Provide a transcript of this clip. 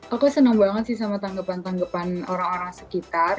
aku senang banget sih sama tanggapan tanggapan orang orang sekitar